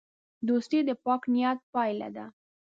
دوستي د پاک نیت پایله ده.